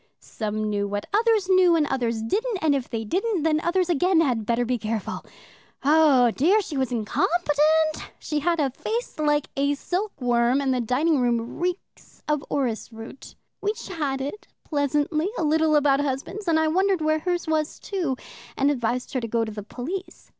Some knew what others knew, and others didn't, and if they didn't, then others again had better be careful. Oh dear, she was incompetent! She had a face like a silkworm, and the dining room reeks of orris root. We chatted pleasantly a little about husbands, and I wondered where hers was too, and advised her to go to the police.